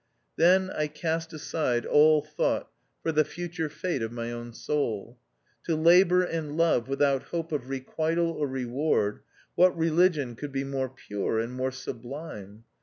Then I cast aside all thought for the future fate of my own soul. To labour and love without hope of requital or reward, what religion could be more pure and more sublime?